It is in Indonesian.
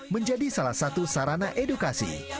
menjadi salah satu sarana edukasi